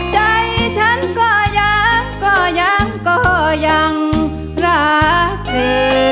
ใจฉันก็ยังก็ยังก็ยังรักเธอ